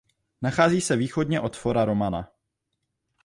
Nachází se východně od Fora Romana.